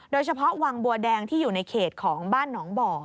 โดยเฉพาะวังบัวแดงที่อยู่ในเขตของบ้านหนองบ่อ